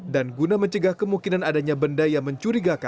dan guna mencegah kemungkinan adanya benda yang berpotensi mengganggu misanatal